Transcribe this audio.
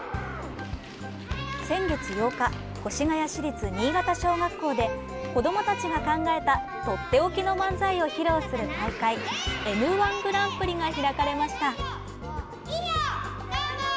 先月８日、越谷市立新方小学校で子どもたちが考えたとっておきの漫才を披露する大会「Ｎ‐１グランプリ」が開かれました。